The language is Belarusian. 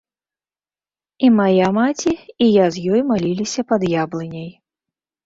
І мая маці, і я з ёй маліліся пад яблыняй.